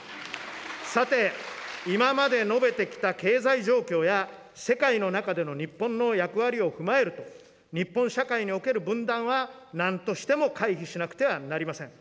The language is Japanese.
さて、今まで述べてきた経済状況や、世界の中での日本の役割を踏まえると、日本社会における分断はなんとしても回避しなくてはなりません。